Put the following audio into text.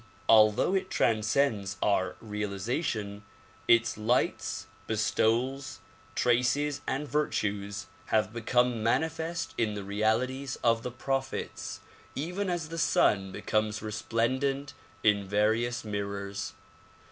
Although it transcends our realization, its lights, bestowals, traces and virtues have become manifest in the realities of the prophets, even as the sun becomes resplendent in various mirrors.